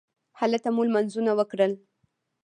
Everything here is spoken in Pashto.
هلته مو لمونځونه وکړل.